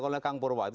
kalau kang purwa itu